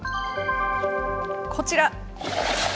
こちら。